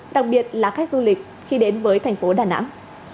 đặc biệt là khách du lịch khi đến với thành phố đà nẵng